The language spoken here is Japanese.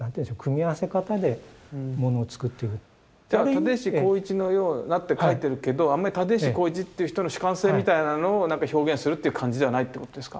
「立石紘一のような」って描いてるけどあんまり立石紘一っていう人の主観性みたいなのを表現するっていう感じではないってことですか？